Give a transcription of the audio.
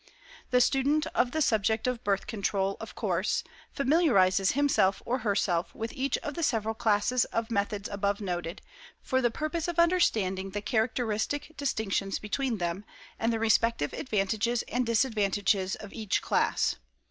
The student of the subject of Birth Control, of course, familiarizes himself or herself with each of the several classes of methods above noted, for the purpose of understanding the characteristic distinctions between them, and the respective advantages and disadvantages of each class.